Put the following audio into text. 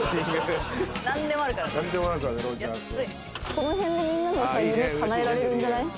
この辺でみんなの夢かなえられるんじゃない？